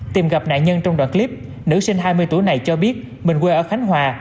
tìm gặp nạn nhân trong đoạn clip nữ sinh hai mươi tuổi này cho biết mình quê ở khánh hòa